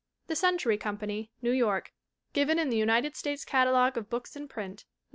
The Century Company, New York. Given in the United States Catalogue of Books in Print (1912).